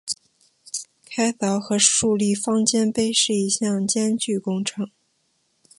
开凿和竖立方尖碑是一项艰巨工程。